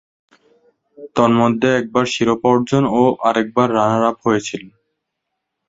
তন্মধ্যে একবার শিরোপা অর্জন ও আরেকবার রানার-আপ হয়েছেন।